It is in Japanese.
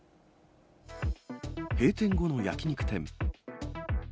閉店後の焼き肉店。